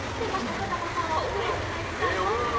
風間さんはお風呂に入りたい時は。